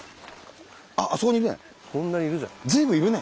あっあそこにいるね。